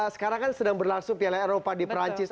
sekarang kan sedang berlangsung piala eropa di perancis